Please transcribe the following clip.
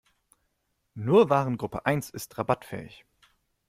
Nur Warengruppe eins ist rabattfähig.